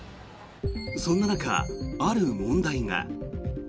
そんな中、ある問題が。